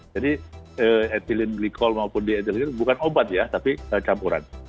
jadi ethylene glycol maupun diethylene bukan obat ya tapi campuran